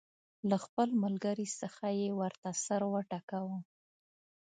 له خپل ملګري څخه یې ورته سر وټکاوه.